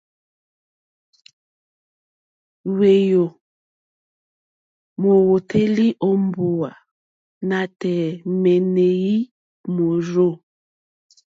Ŋwéyò mówǒtélì ó mbówà nǎtɛ̀ɛ̀ mɔ́nɛ̀yí mórzô.